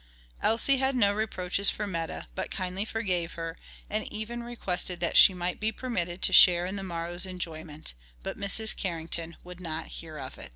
Elsie had no reproaches for Meta, but kindly forgave her, and even requested that she might be permitted to share in the morrow's enjoyment, but Mrs. Carrington would not hear of it.